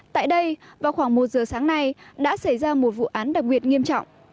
tại đây vào khoảng một giờ sáng nay đã xảy ra một vụ án đặc biệt nghiêm trọng